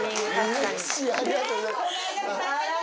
うれしいありがとうございます。